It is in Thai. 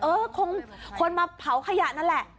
เออคงคนมาเผาขยะนั่นแหละ